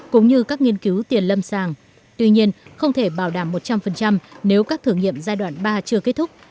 cũng như các nghiên cứu tiền lâm sàng tuy nhiên không thể bảo đảm một trăm linh nếu các thử nghiệm giai đoạn ba chưa kết thúc